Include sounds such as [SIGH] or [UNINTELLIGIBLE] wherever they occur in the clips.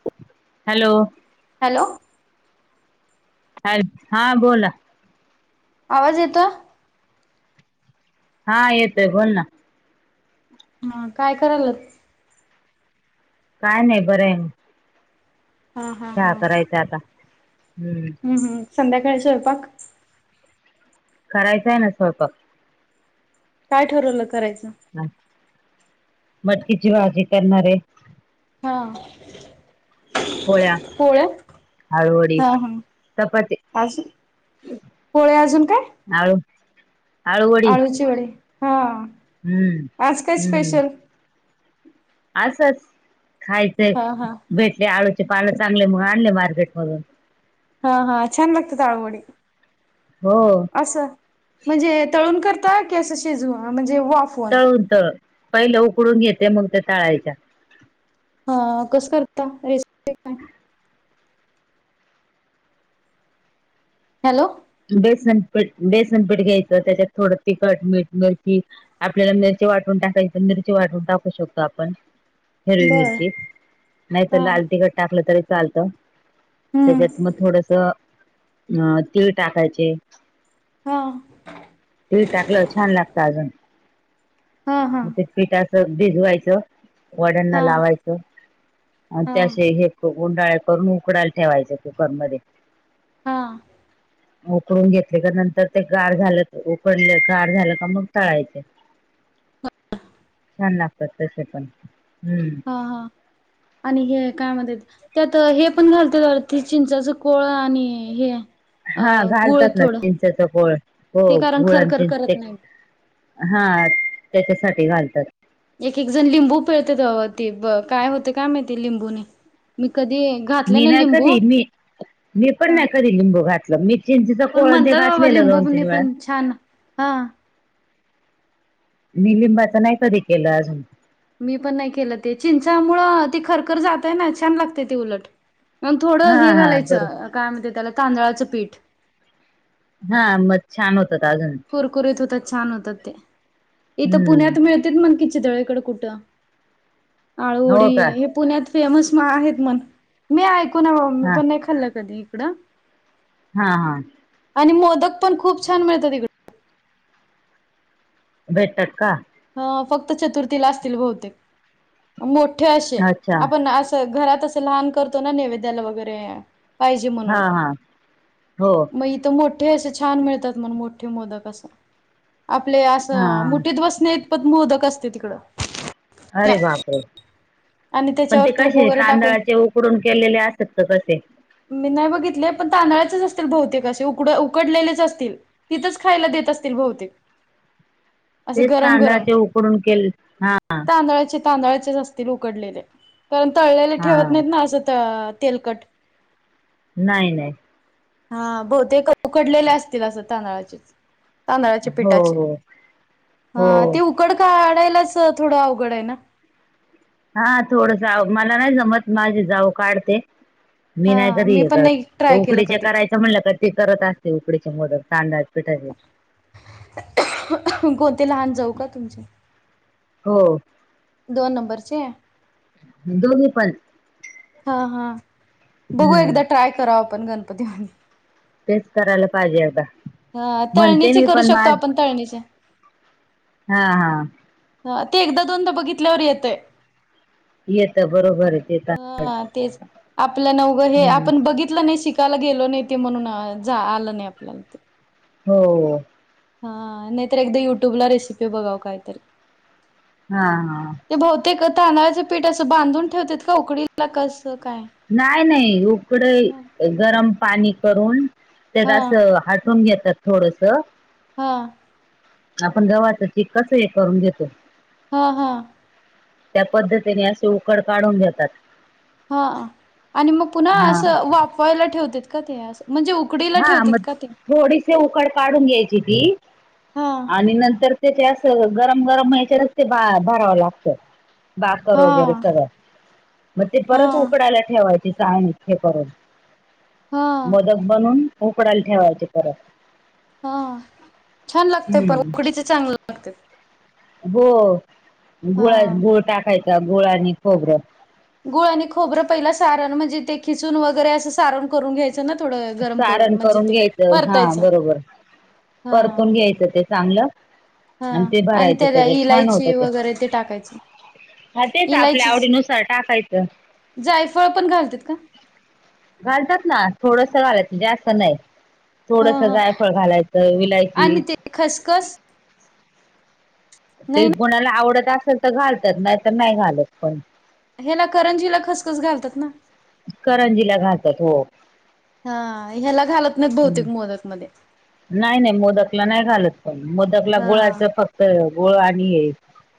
[INAUDIBLE] Hello. Hello. अ, हा बोला. आवाज येतो. हा येतोय, बोल ना. हा. काय करायलात? काय नाही, बरं आहे. हा हा चहा हा. करायचा आता. [INAUDIBLE] हम्म. हम्म, संध्याकाळी स्वयंपाक करायचाये ना स्वयंपाक. काय ठरवलं करायचं? [INAUDIBLE] ह मटकीची भाजी करणारे. हां [INAUDIBLE] पोळ्या पोळ्या, [INAUDIBLE] आळूवडी हा हा चपाती [INAUDIBLE] आजून पोळ्या अजून काय? आळू [INAUDIBLE] आळूवडी आळूची वडी. हा [INAUDIBLE] हम् आज काय ह्. स्पेशल? असंच. खायचंय हा हा. भेटले आळूचे पान चांगले म्हणून आणले मार्केट मधून. हा हा, छान लागतात आळु वडी. हो. असं म्हणजे तळून करता की, असं शिजू म्हणजे वाफ तळून तळ. पहिले उकडून घेते मग ते तळायच्या. हा. कसं करता रे [UNINTELLIGIBLE] हॅलो. बेसनपीठ, बेसनपीठ घ्यायचं. त्याच्यात थोडं तिखट, मीठ मिरची आपल्याला मिरचे वाटून टाकायची, मिरची वाटून टाकू शकतो आपण. हिरवी बरं. मिरची. नाहीतर हा. लाल तिखट टाकलं तरी चालतं. त्याच्यात हम्म. मग थोडसं, अ तीळ टाकायचे. हा तीळ टाकल्यावर छान लागत अजून. हा हा. [INAUDIBLE] मग ते पीठ असं भिजवायचं वड्यांना हा लावायचं पी- [INAUDIBLE] आणि हा त्या असे हे गुंडाळ करून उकडायला ठेवायचं ते कुकरमध्ये. हा. उकडून घेतले का, नंतर ते गार झाले उकडले गार झालं का मग तळायचे. छान लागतात तसे पण. [INAUDIBLE] हम्म. हा हा. आणि हे काय म्हणत्यात त्यात हे पण घालते, अ ते चिंचाच कोळ आणि हे अ हा गुळ घालतात ना, थोडं चिंचेचा कोळ. हो ते कारण गुळ आणि खरखर करत चिंचे नाही. हा त्याच्यासाठी घालतात. एक एक जण लिंबू पिळते. ते ब काय होतें काय माहिती? लिंबूने न मी कधी? घातले मी नाही लिंबू कधी? मी, मी पण हा नाही कधी लिंबू घातला. मी चिंचेचा पण कोळ अण ते म्हणतात घातलेलं दोन तिन वेळा. छान हां. मी लिंबाचं नाही कधी केलं अजून, मी पण नाही केलं ते चिंचामुळं ती खरखर जातय ना छान लागते ते उलट. मग हा थोडं हे हा बरोबर घालायचं काय म्हणते त्याला तांदळाचं पीठ मग छान होतात अजून कुरकुरीत होतात छान होतात, ते ईथ हम्म पुण्यात मिळतं म्हनं कि चितळे- कुठ हो आळूवडी का हे पुण्यात फेमस आहेत म्हन मी ऐकून आहे बाबा मी हा पण नाही खाल्लं कधी इकड. हा हा. आणि मोदक पण खूप छान मिळतो तिकड. भेटतात का? हो फक्त चतुर्थीला असतील बहुतेक मोठे असे अच्छा आपण- घरात असं लहान करतो ना नैवेद्याला वगैरे, पाहिजे हा म्हणून हा हो मग इथ मोठ- मोठे असं छान म्हणे मिळतात मोठे मोदक अस आपले हा असं मुठीत बस- पद मोदक असतय तिकडं. अरे बापरे आणि पण त्याच्यावर ते तूप कसे वगैरे टाकून तांदळाचे उकडून केलेले असतात का कसे? मी नाही बघितले पण तांदळाचेच असतील बहुतेक असे उकड उकडलेलेच असतील. तिथच खायला देत असतील बहुतेक. असं तेच गरम गरम तांदळाचे उकडून केले हा. तांदळाचे तांदळाचेच असतील उकडलेले कारण तळलेले हा ठेवत नाहीत ना असं तेलकट. नाही नाही. हा बहुतेक उकडलेले असतील असं तांदळाचेच. तांदळाचे हो पिठाचे हो ह हो ते उकड काढायलाच थोडं अवघड आहे ना? हा थोडस अव मला नाही जमत माझे जाऊ काढते. मी नाही हा कधी हे पण करत नाही ते ट्राय केलं उकडीचे कधी करायचे म्हणलं का ती करत असते उकडीचे मोदक तांदळाच्या पिठाचे. कोणती लहान जाऊ का तुमची? हो. दोन नंबरची दोन्ही पण हा हा बघू हम्म एकदा ट्राय करु आपण गणपती मधी तेच करायला पाहिजे आता. हा तळणीचे करु शकतो आपण तळणीचे. हा हा हा ते एकदा दोनदा बघितल्यावर येतय. येत बरोबर आहे ते तर हा तेच आपल्यान उग हे हम्म आपण बघितलं नाही शिक त्याला गेलो नाही ते म्हणून आलं नाही आपल्याला ते. हो. हा नाही तर एकदा युट्यूबला रेसिपी बघाव काहीतरी हा हा. ते बहुतेक तादळाचं पीठ असं बांधून ठेवत्यात का उकडीला कसं काय? नाही नाही उकड हा ही गरम पाणी करून तेलाच असं हाटून घेतात थोडस हा. आपण गव्हाचं पीठ कसं हे करून घेतो हा हा. त्या पद्धतीने असे उकड काढून घेतात. हा, आणि मग पुन्हा हा असं वाफवायला ठेवत्यात का ते असं? म्हणजे उ हा मग थोडीशी उकड काढून घ्यायची ती, हा आणि नंतर तेचे अस गरम गरम याच्यातच ते भरावं लागतं. बाकर हा वगैरे सगळं, म ते हा परत उकडायला ठेवायचं ते चाळणीत हे करून, हा मोदक बनून उकडायला ठेवायचे परत. हा, छान लागतय पण हम्म उकडीच चांगलं लागते. हो गुळ हा. -गुळ टाकायचा, गुळ आणि खोबरं. गुळ आणि खोबरं पहिला सारण म्हणजे ते खिसून वगैरे असं सारण करून घ्यायचं त्यांना थोडं गरम सारण म्हणजे करून ते घ्यायचं हा परतायचं बरोबर, हा परतून घ्यायचं ते चांगलं हा आणि ते भरायचं त्याला त्याच्यात छान होत इलायची ते. वगैरे टाकायचं. हा तेच आपल्या इलायची आवडीनुसार टाकायचं. जायफळ पण घालत्यात का? घालतात ना, थोडस घालायचं जास्त नाही. ह थोडस ह जायफळ घालायचं, विलायची आणि ते खसखस? ते नाही कुणाला आवडत असल तर घालतात, नाही तर नाही घालत कोण. ह्याला करंजीला खसखस घालतात ना? करंजीला घालतात हो. हा, ह्याला घालत नाही बहुतेक मोदक मध्ये. नाही -नाही मोदकला नाही घालत, कोण मोदकला हा गुळाचं फक्त गुळ आणि हे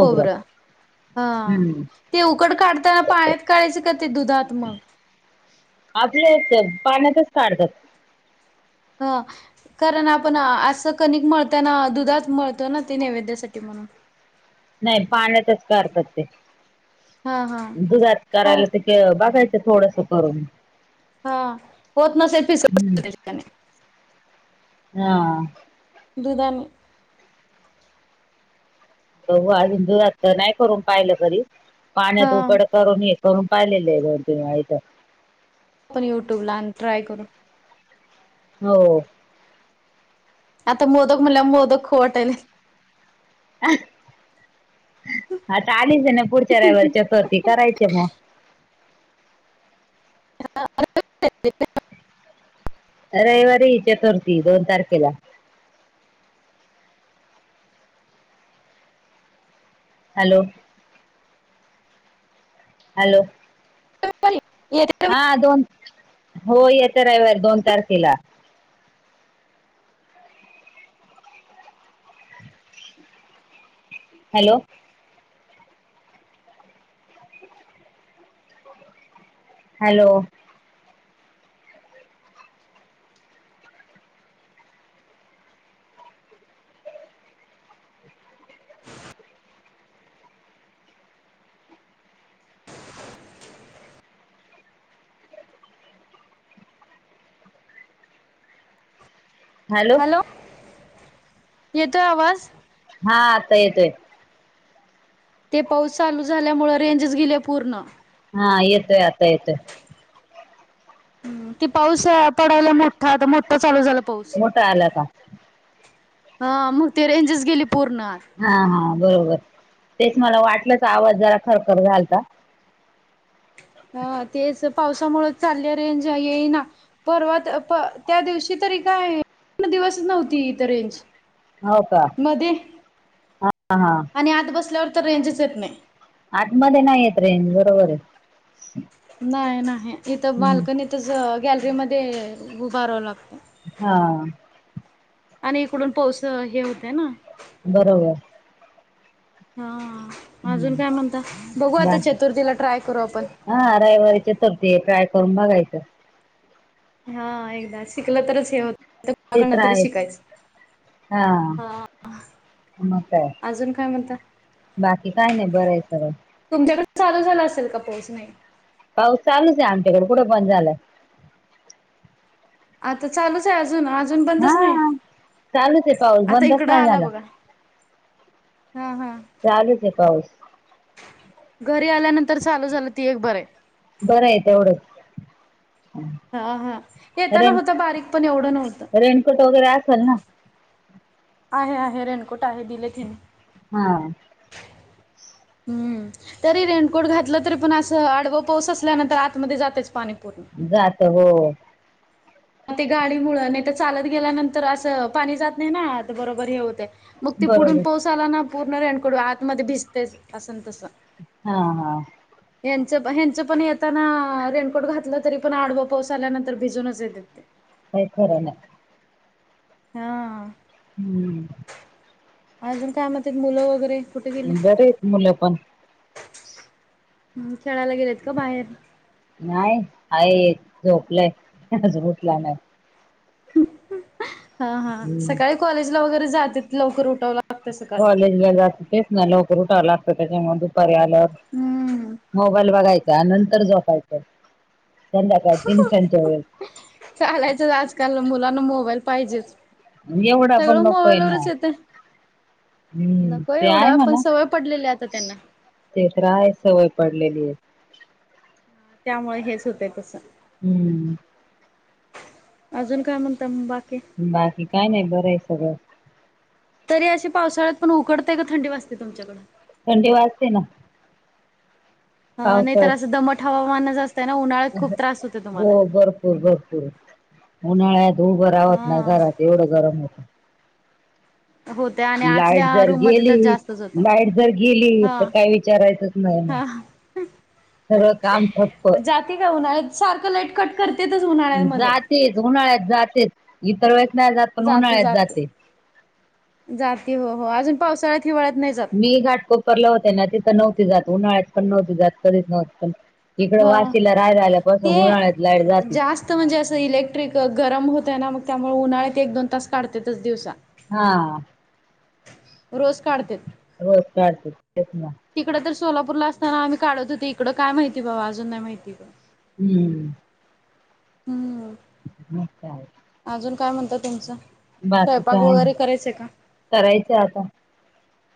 खोबरं, हा, हम्म ते उकड काढताना पाण्यात काढायचं का ते दुधात म? आपले इथे पाण्यातच काढतात. हा कारण आपण असं कणिक मळताना दुधात मळतो ना ते नैवेद्यासाठी म्हणून. नाही पाण्यातच करतात ते, हा हा दुधात करायला ते ते बघायच थोडस करून. हा, होत नसे पीस [UNINTELLIGIBLE] हम्म करायची कणिक. हा. दुधानी तव हिंदू [UNINTELLIGIBLE] नाही करून पाहिलं कधी, हा पाण्यात उकड करून हे करून पाहिलेले आहे दोन तीन वेळा इथ. आपण यूट्यूबला आन ट्राय करू. हो. आता मोदक म्हणल्याव मोदक खाऊ वाटालेत. आता आलीच आहे ना पुढच्या रविवार वाटायलय चतुर्थी करायचे म. [UNINTELLIGIBLE] रविवारी ये चतुर्थी दोन तारखेला. हॅलो. हॅलो. [UNINTELLIGIBLE] हा दोन हो येत्या रविवार दोन तारखेला. हॅलो! हॅलो! हॅलो येतोय आवाज. हा आता येतोय. ते पाऊस चालू झाल्यामुळेळ रेंजस गेले पूर्ण. हा येतोय आता येतोय. कि पाऊस पडवला मोठा आता मोठा चालू झाला पाऊस. मोठा आला का हा मग ती रेंजेस गेली पूर्ण. हा हा बरोबर तेच मला वाटलंच आवाज जरा खरखर घालता. ह तेच पावसामुळं चालले रेंज येईना. परवा प त्या दिवशी तरी काय पण दिवस नव्हती इ तर रेंज. हो का. मध्ये हा हा आणि आत बसल्यावर तर रेंजच येत नाही. आतमध्ये नाहीय रेजू बरोबर आहे. नाही नाही इथं हम्म. बालकनीतच गॅलरी मध्ये उभारावं लागतं. हा आणि इकडून पाऊस हे होतय ना. बरोबर. हा हा अजून हम्म काय म्हणता, बघु आता बाकी चतुर्थीला ट्राय करू आपण. हा रविवारीच्या तरती ट्राय करून बघायचं. हा एकदा शिकलं तरच हे होत. ते तर्र कोणाकडनं तरी आहेच शिकायचं हा हा म काय अजून काय म्हणता बाकी काय नाही बरंय सगं तुमच्याकडे चालू झाला असेल का पाऊस. पाऊस चालूच आहे आमच्याकडे कुठं बंद झाला. आता चालूच आहे अजून अजून बंदच नाही. हा चालूच आहे पाऊस आता बंदस इकडं नाही झाला. हां हां चालूच आहे पाऊस. घरी आल्यानंतर चालू झालं ती एक बर आहे. बरं आहे तेवढंच. हा हा येताना रेन होता बारीक पण एवढं नव्हतं रेनकोट वगैरे असलं ना. आहे आहे रेनकोट आहे दिले तिने. हा हम्म तरी रेनकोट घातलं तरी पण असं आडवं पाऊस असल्यानंतर आतमध्ये जातेच पाणी पूर्ण. जात हो. ते गाडी मुळ नाही तर चालत गेल्यानंतर असं पाणी जात नाही ना बरोबर हे होते. मग त पुढून बरोबर पोउस आला ना पूर्ण रेणकडू आतमध्ये भिजते असन तसं. हा हा ह्यांचं ह्यांचं पण येताना रेनकोट घातलं तरी पण आडवा पाऊस आल्यानंतर भिजूनच येते. अ [UNINTELLIGIBLE] का खरं नाही. हा हम्म अजून काय म्हणतात मुलं वगैरे कुठे गेले? बरे हेत मुलं पण खेळायला गेलेत का बाहेर नाही आहे झोपलाय अजून उठला नाही हा हा हम्म सकाळी कॉलेजला वगैरे जातेत लवकर उठव लागत कॉलेजला जातेत ना म्हणून लवकर उठा लागते त्या दुपारी अजून हम्म मोबाईल बघायचा नंतर झोपायचं संध्याकाळी तीन त्यांच्यावर चालायचंच आजकाल मुलांना मोबाईल पाहिजेच एवढा पण सगळं नकोय ना मोबाईलवरच येते हम्म नको ते आहे एवढं पण म्हणा सवय पडलेली आता त्यांना ते तर आहे सवय पडलेली त्यामुळे हेच होते तसं हम्म अजून काय म्हणता म बाकी बाकी काय नाही बरं हे सगळं तरी अशी पावसाळ्यात पण उकडतं का थंडी वाजते तुमच्याकडं थंडी वाजते ना नाही तर पावसात असं दमट हवामानच असतं ना उन्हाळ्यात खूप त्रास होत तुम्हाला हो भरपूर भरपूर उन्हाळ्यात उभं राव्हंत नाही हा घरात एवढं गरम होत होत्या आणि लाईट आतल्या जर रूम मध्ये तर गेली जास्तच होता लाईट जर गेली हा तर काय विचारायचंच नाही मग ह हम सगळं काम ठप्प नाही गं उन्हाळ्यात सारखं लाईट कट करतेच उन्हाळ्यामध्ये तेच उन्हाळ्यात जातेच इतर वेळेस जात पण उन्हाळ्यात जाते जाते हो हो अजून पावसाळ्यात हिवाळ्यात नाही जात मी घाट कोपरला होते ना तिथं नव्हती जात उन्हाळ्यात पण नव्हती जात कधीच नव्हतं इकड ह वाशीला राह्याला आल्या पासून उन्हाळ्यात लाईट जाती तिथं म्हणजे असं इलेक्ट्रिक गरम होतय ना मग त्यामुळे उन्हाळ्या ते एक दोन तास काढतातच दिवसा हा रोज काढत्यात रोज काढत्यात तेच ना तिकडं तर सोलापूर ला असताना आम्ही काढत होते इकडं काय माहिती बाबा अजून नाही माहिती इकडं हम्म हम्म नि्च आहे अजून काय म्हणत तुमचं बाकी स्वयंपाक काय नाही. वगैरे करायचंय का करायचं आता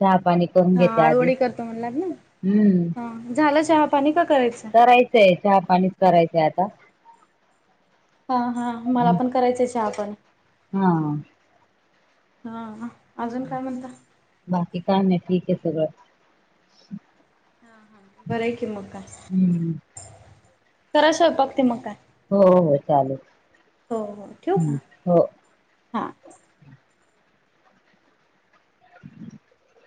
चहा पाणी हा आळूवळी करते म्हणला ना हं हा झालं चहापाणी का करायचंय ते चहा पाणीच करायचंय आता हा हा मला मग पण करायचं चहापाणी हा हा अजून काय म्हणला बाकी काय नाही ठीक आहे सगळं हा हा बरं आहे की मग हम्म काय करा स्वयंपाक ते मग काय हो हो चालंल हो हो ठेवू का हा [INAUDIBLE]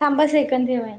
थांबा सेकंद जवाय